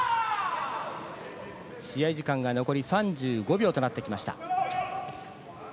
試合時間が残り３５秒となってきました。